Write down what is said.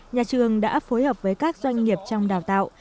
nhà trường đã phối hợp với các doanh nghiệp trong đào tạo